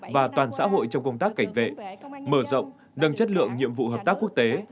và toàn xã hội trong công tác cảnh vệ mở rộng nâng chất lượng nhiệm vụ hợp tác quốc tế